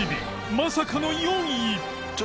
まさかの４位春日）